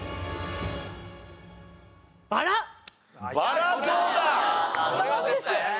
バラどうだ？